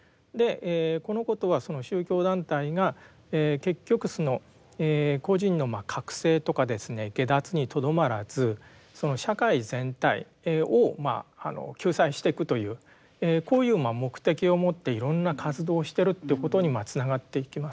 このことはその宗教団体が結局個人のまあ覚醒とかですね解脱にとどまらずその社会全体を救済してくというこういう目的を持っていろんな活動をしてるということにつながっていきます。